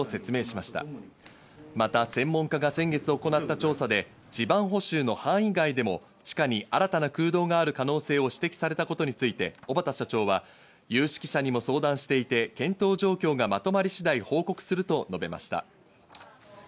また専門家が先月行った調査で地盤補修の範囲外でも地下に新たな空洞がある可能性を指摘されたことについて小畠社長は有識者にも相談していて、検討状況がまとまり次第、報告すると述べました。